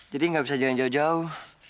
jadi gak bisa jalan jauh jauh